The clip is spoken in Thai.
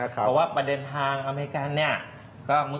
เพราะว่าประเด็นทางอเมริกันเนี่ย